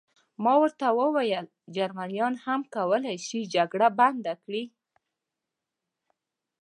ما ورته وویل: جرمنیان هم کولای شي جګړه بنده کړي.